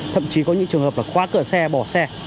thậm chí có những trường hợp là khóa cửa xe bỏ xe